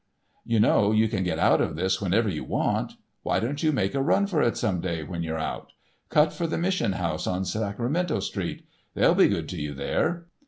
"You know you can get out of this whenever you want. Why don't you make a run for it some day when you're out? Cut for the Mission House on Sacramento street—they'll be good to you there."